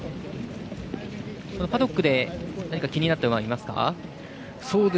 パドックで何か気になった馬はありますか？